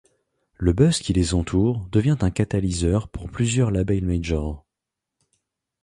Le buzz qui les entoure devient un catalyseur pour plusieurs labels major.